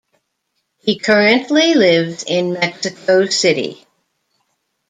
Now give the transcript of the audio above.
He currently lives in Mexico City.